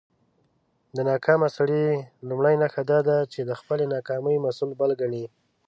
د ناکامه سړى لومړۍ نښه دا ده، چې د خپلى ناکامۍ مسول بل کڼې.